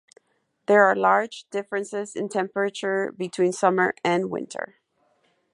There are large differences in temperature between summer and winter.